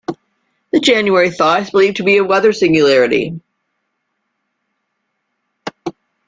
The January thaw is believed to be a weather singularity.